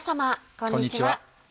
こんにちは。